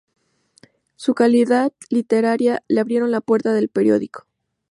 Su calidad literaria le abrieron la puerta del periódico.